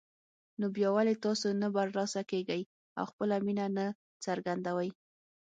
نو بيا ولې تاسو نه برلاسه کېږئ او خپله مينه نه څرګندوئ